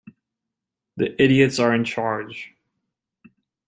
The idiots are in charge.